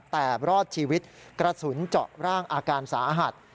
แต่รอดชีวิตกระสุนเจาะร่างอาการสาหัส